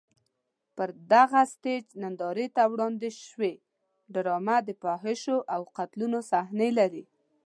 پر دغه سټېج نندارې ته وړاندې شوې ډرامه د فحاشیو او قتلونو صحنې لري.